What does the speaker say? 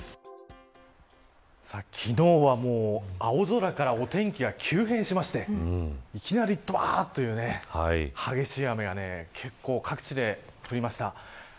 昨日は青空からお天気が急変しましていきなりドバッという激しい雨が結構各地で降りました。